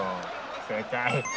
正解。